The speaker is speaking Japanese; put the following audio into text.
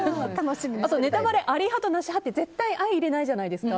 あとネタバレあり派となし派って絶対相容れないじゃないですか。